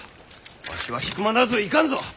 わしは引間なぞいかんぞ！